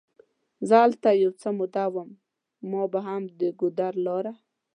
زه هلته یو څه موده وم، ما به هم د ګودر لاره.